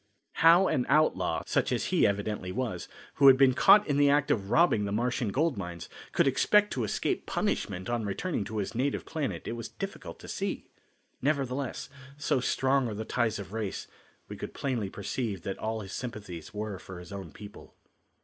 How an outlaw, such as he evidently was, who had been caught in the act of robbing the Martian gold mines, could expect to escape punishment on returning to his native planet it was difficult to see. Nevertheless, so strong are the ties of race we could plainly perceive that all his sympathies were for his own people.